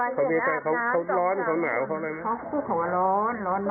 อาบน้ำเป็นจิตเที่ยว